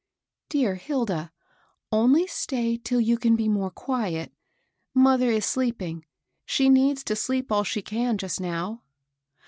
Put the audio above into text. " Dear Hilda, only stay till you can be more .quiet. . Mother is sleeping. She needs to sleep all she can, just now."